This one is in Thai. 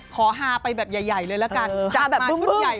ฮาไปแบบใหญ่เลยละกันจัดมาชุดใหญ่